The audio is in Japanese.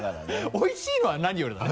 おいしいのは何よりだね。